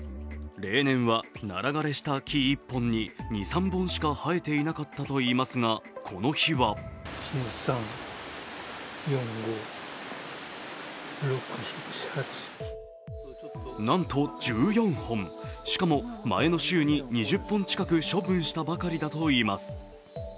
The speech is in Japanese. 例年はナラ枯れした木１本に２３本しか生えていなかったといいますが、この日は、なんと１４本、しかも前の週に２０本近く処分したばかりだといいます。